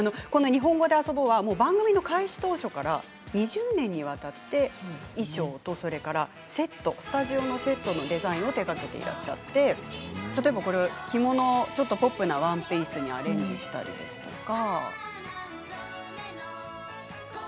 「にほんごであそぼ」は番組の開始当初から２０年にわたって衣装とそれからセットスタジオのセットのデザインを手がけていらっしゃって例えば着物を、ポップなワンピースにアレンジしたりとか。